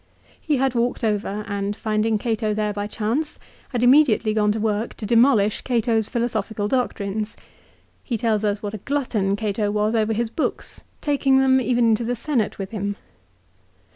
He had walked over, and rinding Cato there by chance, had immediately gone to work to demolish Cato's philosophical doctrines. He tells us what a glutton Cato was over his books, taking them even into the Senate with him.